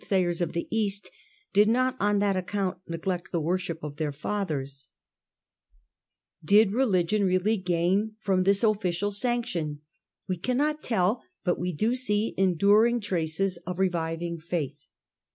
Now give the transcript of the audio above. sayers of the East, did not on that account neglect the worship of their fathers. Did religion really Revival of Religious Sentiment, 223 giiP from this official sanction ? We cannot tell, but we do see enduring traces of reviving faith.